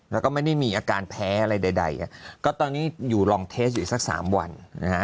แล้วก็ไม่ได้มีอาการแพ้อะไรใดก็ตอนนี้อยู่ลองเทสอยู่สักสามวันนะฮะ